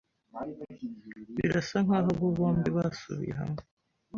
Birasa nkaho abo bombi basubiye hamwe.